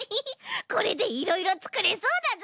これでいろいろつくれそうだぞ！